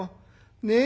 ねえ。